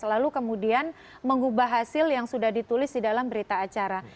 lalu kemudian mengubah hasil yang sudah ditulis di dalam berita acara